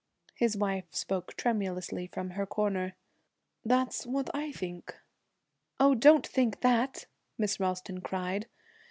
His wife spoke tremulously from her corner. 'That's what I think.' 'Oh, don't think that!' Miss Ralston cried.